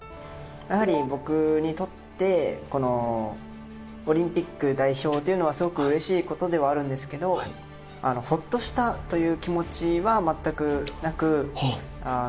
やはり僕にとってオリンピック代表というのはすごくうれしいことではあるんですけどほっとしたという気持ちはまったくなく。